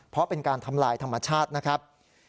เพราะเป็นการทำลายธรรมชาตินะครับ